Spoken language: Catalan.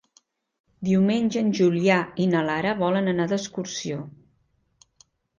Diumenge en Julià i na Lara volen anar d'excursió.